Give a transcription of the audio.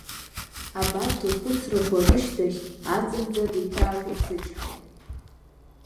Абарҭ лхәыцракәа рышьҭахь, аҵанӡа деиҭаақәыԥсычҳаит.